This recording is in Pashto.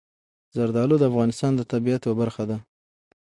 زردالو د افغانستان د طبیعت یوه برخه ده.